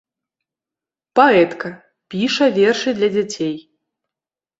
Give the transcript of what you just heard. Паэтка, піша вершы для дзяцей.